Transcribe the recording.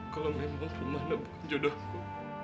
kalau memang kemana bukan jodohku